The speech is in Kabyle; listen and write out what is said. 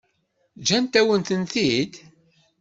Ǧǧant-awen-tent-id?